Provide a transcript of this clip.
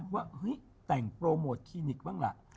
ว่าเฮ้ยแต่งโปรโมทคลินิกบ้างล่ะ